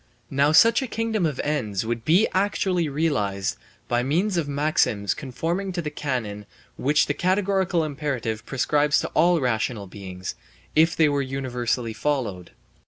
Now such a kingdom of ends would be actually realized by means of maxims conforming to the canon which the categorical imperative prescribes to all rational beings, if they were universally followed.